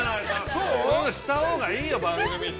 そういうのしたほうがいいよ、番組って。